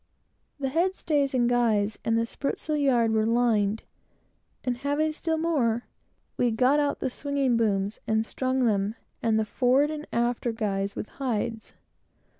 The head stays and guys, and the spritsail yard, were lined, and, having still more, we got out the swinging booms, and strung them and the forward and after guys, with hides.